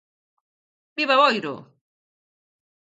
Viva Boiro!